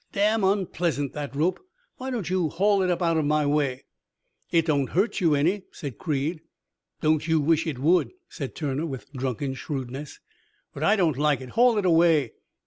"'Damn unpleasant that rope. Why don't you haul it up out of my way?' "'It don't hurt you any,' said Creed. "'Don't you wish it would?' said Turner, with drunken shrewdness. 'But I don't like it. Haul it away.'